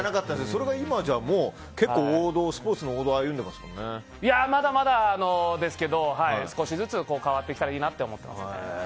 それが今じゃ、結構スポーツの王道をまだまだですけど少しずつ変わってきたらいいなと思っています。